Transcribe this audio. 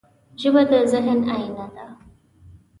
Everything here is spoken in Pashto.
ژبه د ذهن آینه ده